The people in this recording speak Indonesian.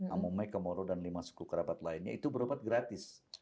amome kemoro dan lima suku kerapell lainnya itu berupbl ganis